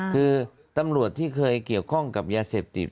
คือตำรวจที่เคยเกี่ยวข้องกับยาเสพติด